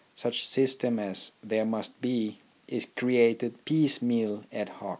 Such system as there must be is created piecemeal ad hoc.